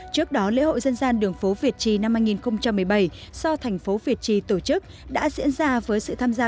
trước đó lễ hội dân gian đường phố việt trì năm hai nghìn một mươi bảy do thành phố việt trì tổ chức đã diễn ra với sự tham gia